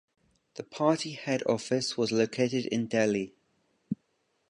The party head office was located in Delhi.